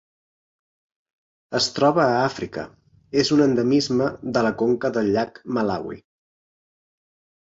Es troba a Àfrica: és un endemisme de la conca del llac Malawi.